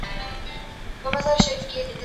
زه پرون د کتابتون د کار مرسته کوم!.